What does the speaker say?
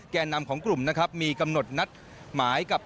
แก่นำของกลุ่มนะครับมีกำหนดนัดหมายกับ